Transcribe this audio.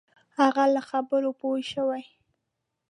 هغه له خبرو پوه شوی.